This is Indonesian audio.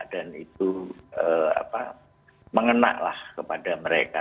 dan itu mengenaklah kepada mereka